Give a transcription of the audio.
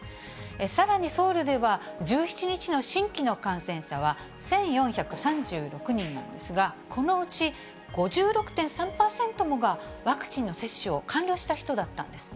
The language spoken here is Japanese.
さらにソウルでは、１７日の新規の感染者は１４３６人なんですが、このうち５６．３％もが、ワクチンの接種を完了した人だったんです。